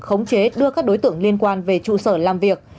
khống chế đưa các đối tượng liên quan về trụ sở làm việc